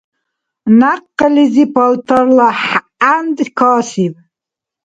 Някълизи палтарла гӀянд касиб.